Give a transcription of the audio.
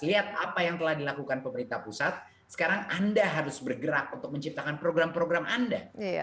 lihat apa yang telah dilakukan pemerintah pusat sekarang anda harus bergerak untuk menciptakan program program anda